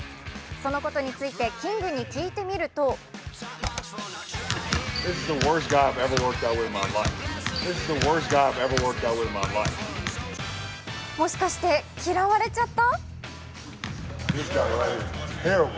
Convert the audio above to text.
そのことについてキングに聞いてみるともしかして嫌われちゃった？